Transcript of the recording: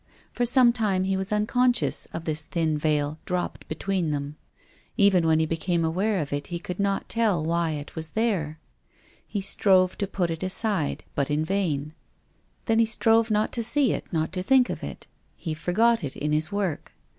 For some time he was unconscious of this thin veil dropped between them. Even when he became aware of it he could not tell why it was there. I le strove to put it aside, but in vain. l68 TONGUES OF CONSCIENCE. Then he strove not to see it, not to think of it. He forgot it in his work.